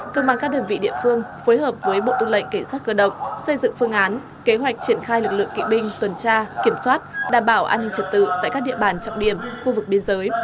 công an các đơn vị địa phương phối hợp với bộ tư lệnh cảnh sát cơ động xây dựng phương án kế hoạch triển khai lực lượng kỵ binh tuần tra kiểm soát đảm bảo an ninh trật tự tại các địa bàn trọng điểm khu vực biên giới